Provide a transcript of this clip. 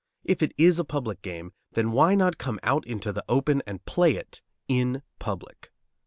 If it is a public game, then why not come out into the open and play it in public?